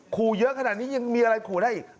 ขู่เยอะขนาดนี้ยังมีอะไรขู่ได้อีก